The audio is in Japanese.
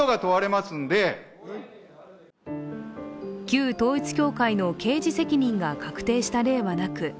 旧統一教会の刑事責任が確定した例はなく